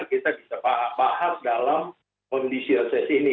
kita bisa bahas dalam kondisi reses ini